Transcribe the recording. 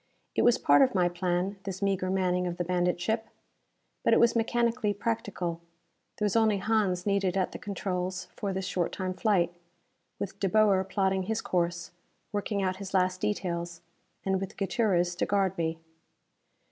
It was part of my plan, this meager manning of the bandit ship. But it was mechanically practical: there was only Hans needed at the controls for this short time flight: with De Boer plotting his course, working out his last details and with Gutierrez to guard me.